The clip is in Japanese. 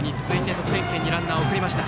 得点圏にランナーを送りました。